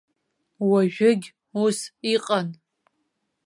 Уажәыгь ус иҟан.